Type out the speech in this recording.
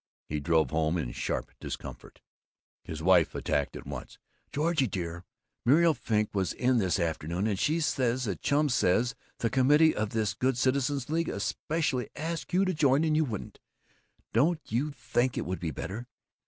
He drove home in sharp discomfort. His wife attacked at once: "Georgie dear, Muriel Frink was in this afternoon, and she says that Chum says the committee of this Good Citizens' League especially asked you to join and you wouldn't. Don't you think it would be better?